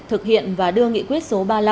thực hiện và đưa nghị quyết số ba mươi năm